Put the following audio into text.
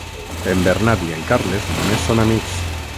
En Bernat i en Carles només són amics.